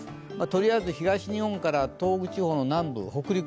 とりあえず東日本から東北地方南部、北陸